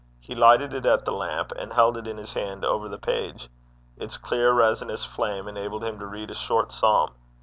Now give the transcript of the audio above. He lighted it at the lamp, and held it in his hand over the page. Its clear resinous flame enabled him to read a short psalm.